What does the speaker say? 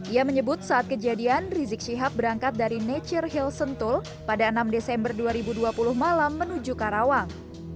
ia menyebut saat kejadian rizik syihab berangkat dari nature hill sentul pada enam desember dua ribu dua puluh malam menuju karawang